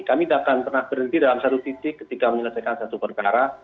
kami tidak akan pernah berhenti dalam satu titik ketika menyelesaikan satu perkara